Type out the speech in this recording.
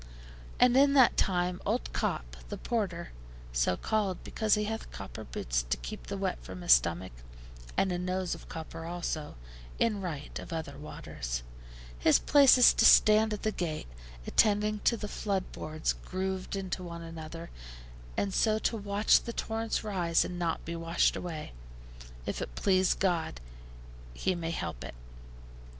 And in that time, old Cop, the porter (so called because he hath copper boots to keep the wet from his stomach, and a nose of copper also, in right of other waters), his place is to stand at the gate, attending to the flood boards grooved into one another, and so to watch the torrents rise, and not be washed away, if it please God he may help it.